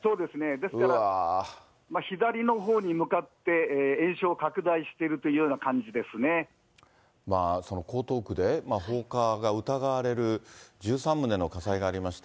ですから、左のほうに向かって、延焼拡大していその江東区で放火が疑われる、１３棟の火災がありました。